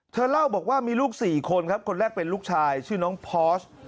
เธอเล่าบอกว่ามีลูก๔คนครับคนแรกเป็นลูกชายชื่อน้องพอส